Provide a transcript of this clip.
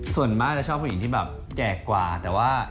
ส่วนมากจะชอบผู้หญิงที่แบบแก่กว่าแต่ว่า